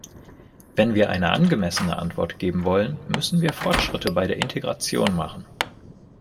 Wenn wir eine angemessene Antwort geben wollen, müssen wir Fortschritte bei der Integration machen.